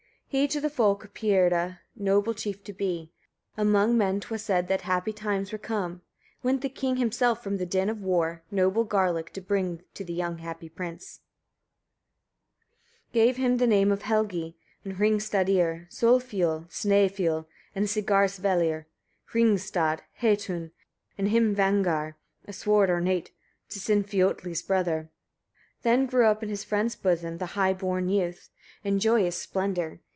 7. He to the folk appeared a noble chief to be; among men 'twas said that happy times were come; went the king himself from the din of war, noble garlic to bring to the young prince; 8. Gave him the name of Helgi, and Hringstadir, Solfioll, Snæfioll, and Sigarsvellir, Hringstad, Hatun, and Himinvangar, a sword ornate, to Sinfiotli's brother. 9. Then grew up, in his friends' bosom, the high born youth, in joyous splendour.